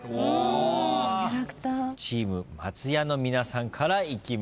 チーム松也の皆さんからいきましょう。